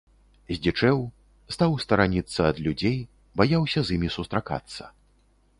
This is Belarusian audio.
Здзічэў, стаў стараніцца ад людзей, баяўся з імі сустракацца.